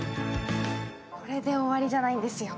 ＶＲで終わりじゃないんですよ。